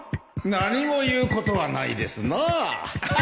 何も言うことはないですな